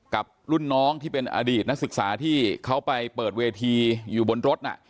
กับรุ่นน้องที่เป็นอดีตนักศึกษาที่เขาไปเปิดเวทีอยู่บนรถน่ะ